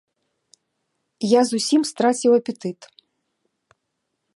Я зусім страціў апетыт.